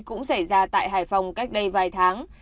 cũng xảy ra tại hải phòng cách đây vài tháng